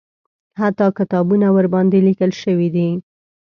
حتی کتابونه ورباندې لیکل شوي دي.